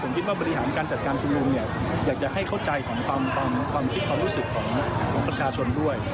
ผมคิดว่าบริหารการจัดการชุมนุมเนี่ยอยากจะให้เข้าใจถึงความคิดความรู้สึกของประชาชนด้วย